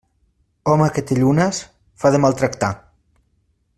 Home que té llunes, fa de mal tractar.